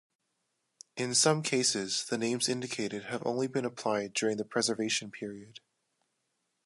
In some cases the names indicated have only been applied during the preservation period.